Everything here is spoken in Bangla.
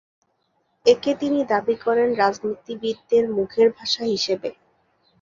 একে তিনি দাবি করেন রাজনীতিবিদদের মুখের ভাষা হিসেবে।